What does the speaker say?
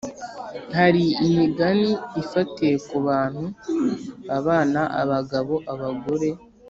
Hari imigani ifatiye ku bantu ( abana, abagabo, abagore )